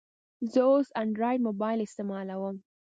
زه اوس انډرایډ موبایل استعمالوم.